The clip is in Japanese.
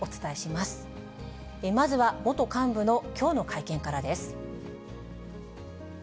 まずは元幹部のきょうの会見からです。